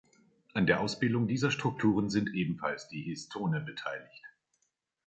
An der Ausbildung dieser Strukturen sind ebenfalls die Histone beteiligt.